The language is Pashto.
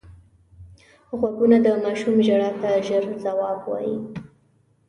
غوږونه د ماشوم ژړا ته ژر ځواب وايي